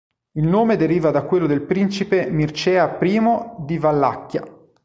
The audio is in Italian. Il nome deriva da quello del principe Mircea I di Valacchia.